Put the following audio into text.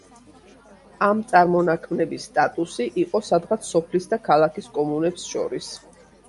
ამ წარმონაქმნების სტატუსი იყო სადღაც სოფლის და ქალაქის კომუნებს შორის.